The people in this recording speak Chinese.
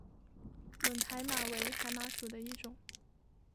吻海马为海马属的一种。